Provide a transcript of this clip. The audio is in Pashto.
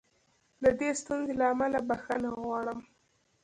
د دې ستونزې له امله بښنه غواړم.